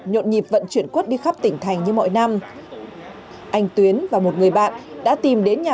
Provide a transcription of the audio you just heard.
nhộn nhịp vận chuyển quất đi khắp tỉnh thành như mọi năm anh tuyến và một người bạn đã tìm đến nhà